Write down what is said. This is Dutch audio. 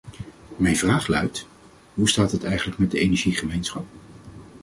Mijn vraag luidt: hoe staat het eigenlijk met de energiegemeenschap?